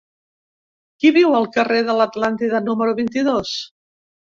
Qui viu al carrer de l'Atlàntida número vint-i-dos?